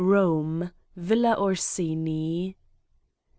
Kome, Villa Orsini.